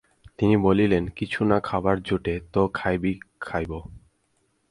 তিনি বলিলেন, কিছু না খাবার জোটে তো খাবি খাইব।